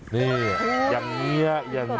นี่ไง